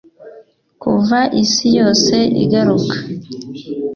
kuva isi yose igaruka.